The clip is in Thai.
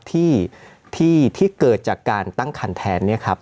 ที่เกิดจากการตั้งคันแทนเนี่ยครับ